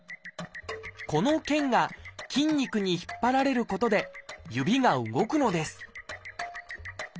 この腱が筋肉に引っ張られることで指が動くのです。